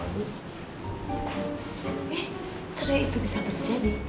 eh cerai itu bisa terjadi